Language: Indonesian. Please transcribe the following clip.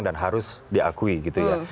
dan harus diakui gitu ya